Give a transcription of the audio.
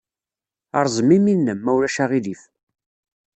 Rẓem imi-nnem, ma ulac aɣilif.